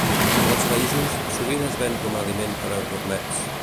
A molts països, sovint es ven com a aliment per a gurmets.